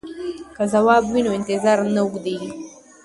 که ځواب وي نو انتظار نه اوږدیږي.